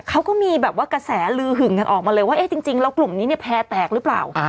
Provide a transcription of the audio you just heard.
เขาก็มีแบบว่ากระแสลือหึงกันออกมาเลยว่าเอ๊ะจริงแล้วกลุ่มนี้เนี่ยแพร่แตกหรือเปล่า